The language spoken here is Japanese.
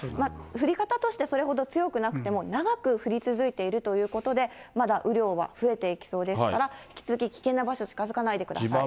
降り方としてそれほど強くなくても、長く降り続いているということで、まだ雨量は増えていきそうですから、引き続き危険な場所、近づかないでください。